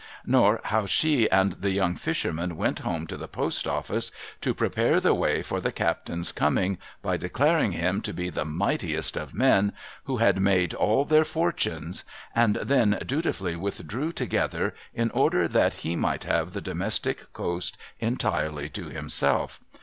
Nor how she and the young fisherman went home to the post office to prepare the way for the captain's coming, by declaring him to be the mightiest of men, who had made all their fortunes, — and then dutifully withdrew together, in order that he might have the domestic coast entirely to himself.